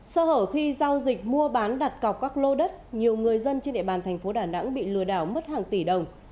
sơ hở khi giao dịch mua bán đặt cọc các lô đất nhiều người dân trên địa bàn thành phố đà nẵng bị lừa đảo mất hàng tỷ đồng